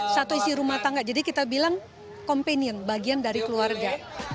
satu isi rumah tangga jadi kita bilang companion bagian dari keluarga